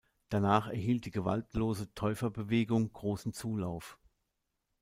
Danach erhielt die gewaltlose Täuferbewegung großen Zulauf.